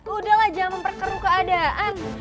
udah lah jangan memperkeru keadaan